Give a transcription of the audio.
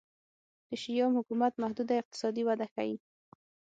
د شیام حکومت محدوده اقتصادي وده ښيي.